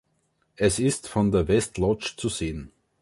Es ist vor der West Lodge zu sehen.